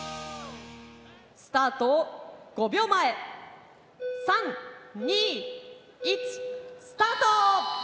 スタート５秒前３・２・１スタート！